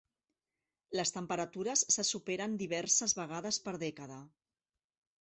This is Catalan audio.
Les temperatures se superen diverses vegades per dècada.